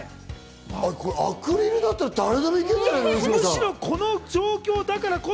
アクリルだったら誰でもいけるんじゃないの？